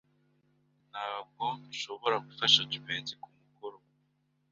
Ntabwo nshobora gufasha Jivency kumukoro we.